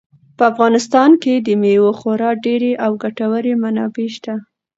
په افغانستان کې د مېوو خورا ډېرې او ګټورې منابع شته.